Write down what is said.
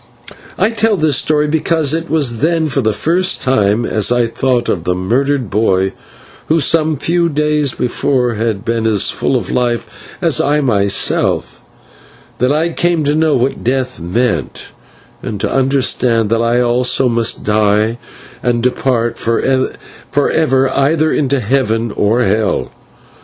I tell this story because it was then for the first time, as I thought of the murdered boy, who some few days before had been as full of life as I was myself, that I came to know what death meant, and to understand that I also must die and depart for ever either into heaven or hell.